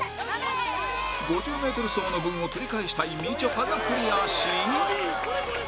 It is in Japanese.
５０メートル走の分を取り返したいみちょぱがクリアし